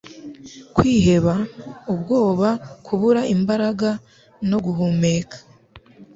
kwiheba, ubwoba, kubura imbaraga no guhumeka.